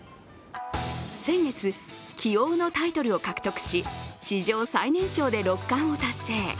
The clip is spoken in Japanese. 先月、棋王のタイトルを獲得し、史上最年少で六冠を達成。